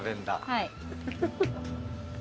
はい。